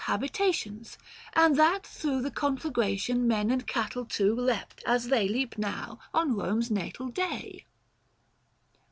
habitations ; and that through The conflagration men and cattle too 930 Leapt as they leap now on Eome's natal day.